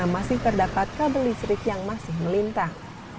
masih terdapat kabel listrik yang masih melintang